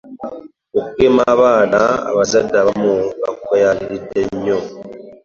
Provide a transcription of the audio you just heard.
Okugema abaana abazadde abamu bakugayaaliridde nnyo.